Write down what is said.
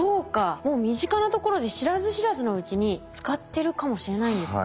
もう身近なところで知らず知らずのうちに使ってるかもしれないんですね。